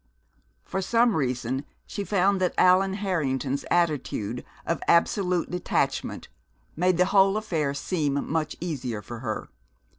For some reason she found that Allan Harrington's attitude of absolute detachment made the whole affair seem much easier for her.